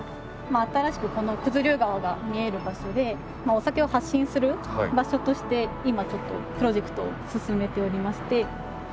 新しくこの九頭竜川が見える場所でお酒を発信する場所として今ちょっとプロジェクトを進めておりまして。